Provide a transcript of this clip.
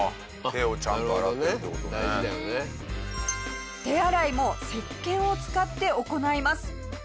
下平：手洗いもせっけんを使って行います。